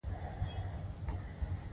دا د شته بې عدالتیو په غبرګون کې و